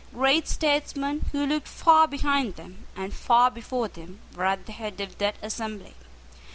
Great statesmen who looked far behind them and far before them were at the head of that assembly.